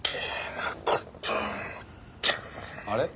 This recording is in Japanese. あれ？